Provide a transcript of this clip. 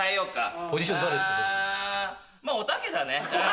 まぁおたけだね。